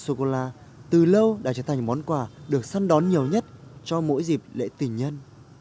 chocolate từ lâu đã trở thành món quà được săn đón nhiều nhất cho mỗi dịp lễ tình nhân